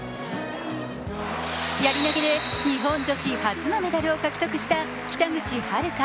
やり投で日本女子初のメダルを獲得した北口榛花。